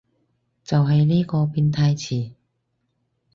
就係呢個變態詞